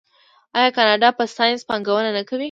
آیا کاناډا په ساینس پانګونه نه کوي؟